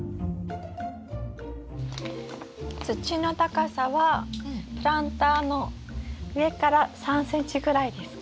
土の高さはプランターの上から３ｃｍぐらいですか？